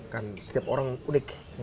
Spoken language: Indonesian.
kan setiap orang unik